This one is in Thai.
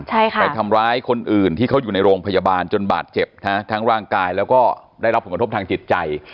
ใช่ค่ะไปทำร้ายคนอื่นที่เขาอยู่ในโรงพยาบาลจนบาดเจ็บฮะทั้งร่างกายแล้วก็ได้รับผลกระทบทางจิตใจ